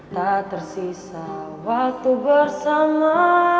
tak tersisa waktu bersama